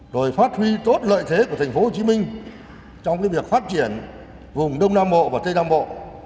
rồi phát huy tốt lợi thế của thành phố hồ chí minh trong việc phát triển vùng đông nam bộ và tây nam bộ